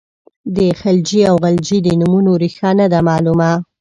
د خلجي او غلجي د نومونو ریښه نه ده معلومه.